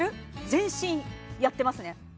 全身やってますね